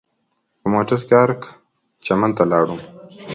په موټر کې ارګ چمن ته ولاړو.